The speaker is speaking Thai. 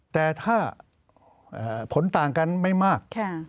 แต่ถ้าผลต่างกันไม่มาก